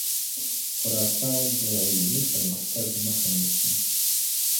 خرافات د علمي پرمختګ مخه نیسي.